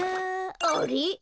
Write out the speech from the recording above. あれ？